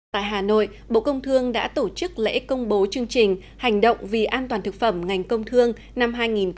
tại hà nội bộ công thương đã tổ chức lễ công bố chương trình hành động vì an toàn thực phẩm ngành công thương năm hai nghìn hai mươi